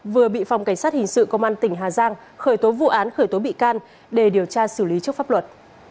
vừa bị phòng cảnh sát hình sự công an tỉnh hà giang khởi tố vụ án khởi tố bị can để điều tra xử lý trước pháp luật